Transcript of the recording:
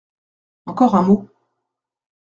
Encore un mot.